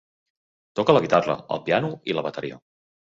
Toca la guitarra, el piano i la bateria.